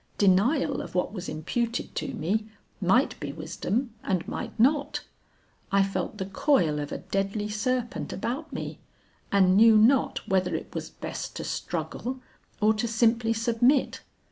Denial of what was imputed to me might be wisdom and might not. I felt the coil of a deadly serpent about me, and knew not whether it was best to struggle or to simply submit.